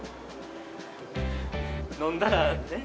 飲んだらね？